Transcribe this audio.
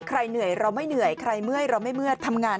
เหนื่อยเราไม่เหนื่อยใครเมื่อยเราไม่เมื่อทำงาน